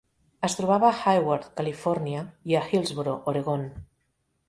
Es trobava a Hayward, Califòrnia, i a Hillsboro, Oregon.